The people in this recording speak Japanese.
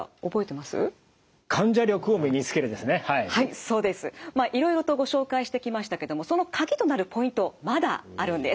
まあいろいろとご紹介してきましたけどもその鍵となるポイントまだあるんです。